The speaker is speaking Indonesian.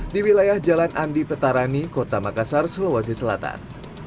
di wilayah jalan andi petarani kota makassar sulawesi selatan